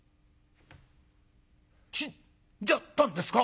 「死んじゃったんですか？」。